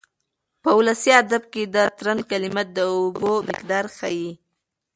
په ولسي ادب کې د ترنګ کلمه د اوبو مقدار ښيي.